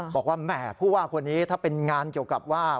บอกว่าแหมผู้ว่าคนนี้ถ้าเป็นงานเกี่ยวกับว่า